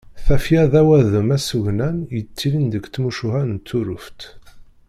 Tafya d awadem asugnan yettilin deg tmucuha n Tuṛuft.